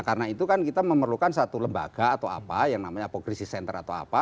karena itu kan kita memerlukan satu lembaga atau apa yang namanya apokrisis center atau apa